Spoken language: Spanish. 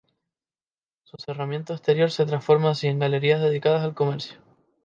Su cerramiento exterior se transforma así en galerías dedicadas al comercio.